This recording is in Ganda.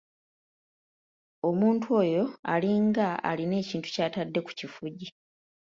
Omuntu oyo alinga alina ekintu ky’atadde ku kifugi!